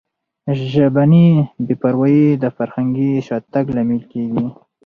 ژبني بې پروایي د فرهنګي شاتګ لامل کیږي.